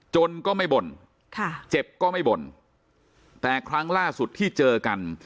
ก็ไม่บ่นค่ะเจ็บก็ไม่บ่นแต่ครั้งล่าสุดที่เจอกัน